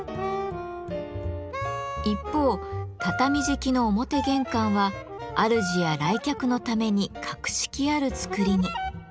一方畳敷きの表玄関はあるじや来客のために格式ある造りに。